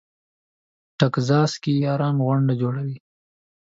ټکزاس کې یاران غونډه جوړوي.